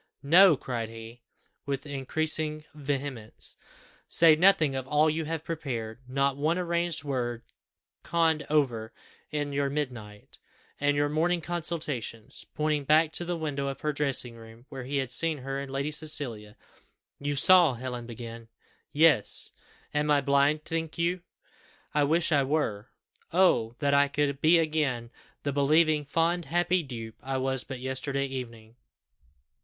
No," cried he, with increasing vehemence, "say nothing of all you have prepared not one arranged word conned over in your midnight and your morning consultations," pointing back to the window of her dressing room, where he had seen her and Lady Cecilia. "You saw," Helen began "Yes. Am I blind, think you? I wish I were. Oh! that I could be again the believing, fond, happy dupe I was but yesterday evening!"